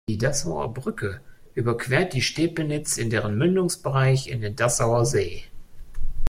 Die Dassower Brücke überquert die Stepenitz in deren Mündungsbereich in den Dassower See.